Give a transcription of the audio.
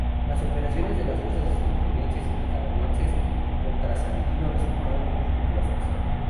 Las operaciones de las fuerzas estadounidenses y nicaragüenses contra Sandino resultaron infructuosas.